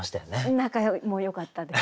仲もよかったです。